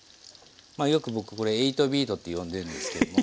よく僕これエイトビートって呼んでるんですけども。